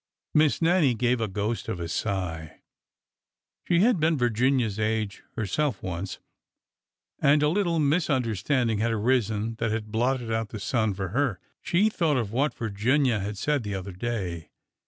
Miss Nannie gave the ghost of a sigh. She had 256 ORDER NO. 11 been Virginia's age herself once, and a little misunder standing had arisen that had blotted out the sun for her. She thought of what Virginia had said the other day.